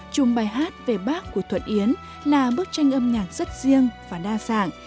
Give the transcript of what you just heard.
chùm bài hát về bác của thuận yến là bức tranh âm nhạc rất riêng và đa dạng